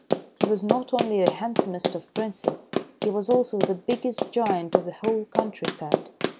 He was not only the handsomest of Princes, he was also the biggest giant of the whole countryside.